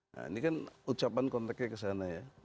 nah ini kan ucapan kontaknya kesana ya